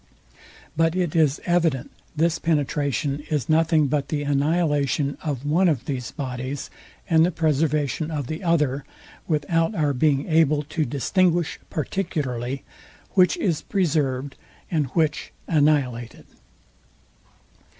But it is evident this penetration is nothing but the annihilation of one of these bodies, and the preservation of the other, without our being able to distinguish particularly which is preserved and which annihilated.